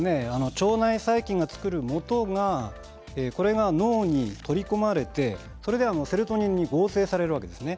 腸内細菌を作るもとが脳に取り込まれてセロトニンに合成されるわけです。